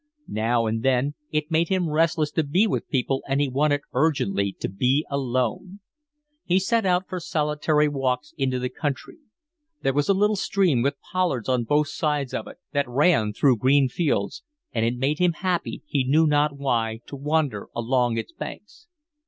Now and then it made him restless to be with people and he wanted urgently to be alone. He set out for solitary walks into the country. There was a little stream, with pollards on both sides of it, that ran through green fields, and it made him happy, he knew not why, to wander along its banks.